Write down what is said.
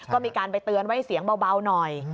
ก็มีการไปเตือนไว้เสียงเบาหน่อย